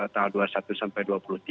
tanggal dua puluh satu sampai dua puluh tiga